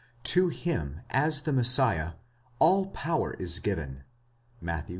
To him, as the Messiah, all power is given (Matt. xi.